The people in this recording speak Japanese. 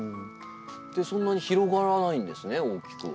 そんなに広がらないんですね大きくは。